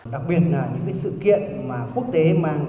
đặc biệt là những sự kiện quốc tế